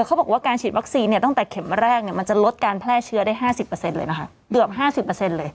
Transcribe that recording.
เขาบอกว่าการฉีดวัคซีนตั้งแต่เข็มแรกมันจะลดการแพร่เชื้อได้๕๐เลยนะคะ